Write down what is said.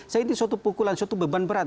saya ini suatu pukulan suatu beban berat